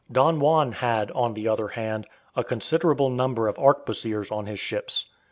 Don Juan had, on the other hand, a considerable number of arquebusiers on his ships.